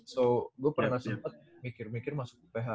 so gua pernah sempet mikir mikir masuk uph